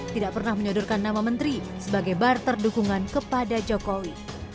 tidak pernah menyodorkan nama menteri sebagai barter dukungan kepada jokowi